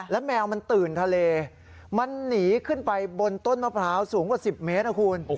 แล้วแมวมันตื่นทะเลมันหนีขึ้นไปบนต้นมะพร้าวสูงกว่า๑๐เมตรนะคุณ